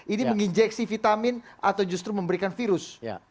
ini menginjeksi vitamin atau justru memberikan virus